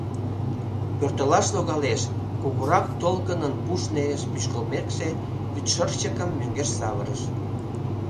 — Пӧртылаш логалеш, — кугурак толкынын пуш нереш пӱчкылтмекше, «вӱдшырчыкым» мӧҥгеш савырыш.